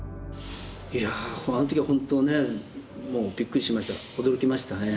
いやあの時は本当ねもうびっくりしました驚きましたね。